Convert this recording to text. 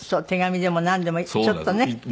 手紙でもなんでもちょっとね。